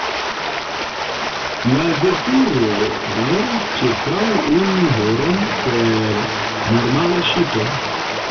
La veturo daŭras ĉirkaŭ unu horon per normala ŝipo.